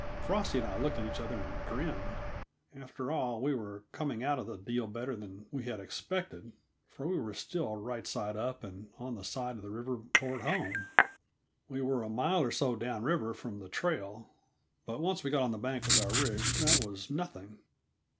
Frosty and I looked at each other and grinned; after all, we were coming out of the deal better than we had expected, for we were still right side up and on the side of the river toward home. We were a mile or so down river from the trail, but once we were on the bank with our rig, that was nothing.